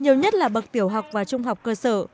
nhiều nhất là bậc tiểu học và trung học cơ sở